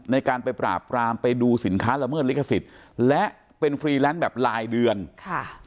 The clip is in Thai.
ในการไปปราบปรามไปดูสินค้าละเมิดลิขสิทธิ์และเป็นฟรีแลนซ์แบบรายเดือนค่ะ